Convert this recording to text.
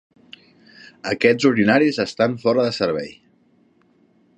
Aquests urinaris estan fora de servei.